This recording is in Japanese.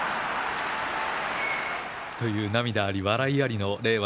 笑い声涙あり笑いありの令和